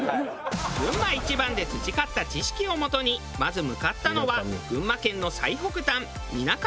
『ぐんま一番』で培った知識をもとにまず向かったのは群馬県の最北端みなかみ町。